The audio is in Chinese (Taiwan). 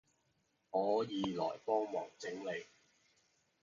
可以來幫忙整理